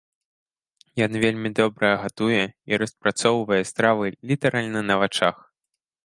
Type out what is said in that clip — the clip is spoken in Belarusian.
Ён вельмі добра гатуе і распрацоўвае стравы літаральна на вачах.